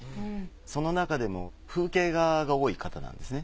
その中でも風景画が多い方なんですね。